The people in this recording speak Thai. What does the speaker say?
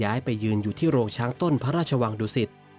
ไปยืนอยู่ที่โรงช้างต้นพระราชวังดุสิต